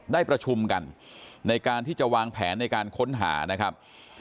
ได้ประชุมกันในการที่จะวางแผนในการค้นหานะครับ